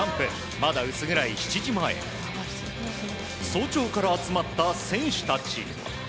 まだ薄暗い７時前早朝から集まった選手たち。